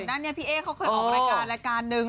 ก่อนนั้นพี่เอเขาเคยออกรายการนึง